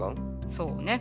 そうね。